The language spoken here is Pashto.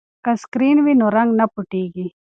که سکرین وي نو رنګ نه پټیږي.